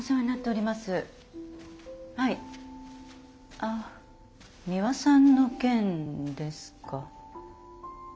あっミワさんの件ですか。